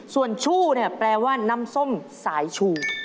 ส่วนชู้แปลว่าน้ำส้มสายชู